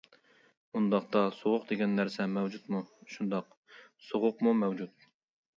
-ئۇنداقتا سوغۇق دېگەن نەرسە مەۋجۇتمۇ؟ -شۇنداق، سوغۇقمۇ مەۋجۇت.